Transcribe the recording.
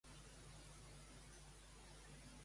Mira a veure si tinc cançons de rockabilly que m'agradin.